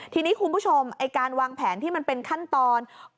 ทีนี้คุณผู้ชมไอ้การวางแผนที่มันเป็นขั้นตอน